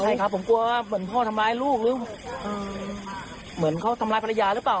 ใช่ครับผมกลัวเหมือนพ่อทำร้ายลูกหรือเหมือนเขาทำร้ายภรรยาหรือเปล่า